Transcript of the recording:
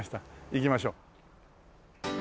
行きましょう。